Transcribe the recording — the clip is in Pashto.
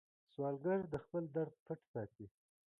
سوالګر د خپل درد پټ ساتي